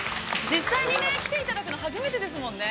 ◆実際にね来ていただくの初めてですもんね？